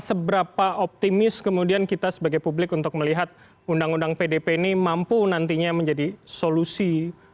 seberapa optimis kemudian kita sebagai publik untuk melihat undang undang pdp ini mampu nantinya menjadi solusi